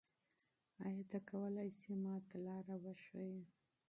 آیا ته کولای سې ما ته لاره وښیې؟